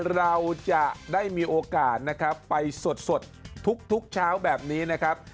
เราจะได้มีโอกาสนะครับไปสดทุกเช้าแบบนี้นะครับ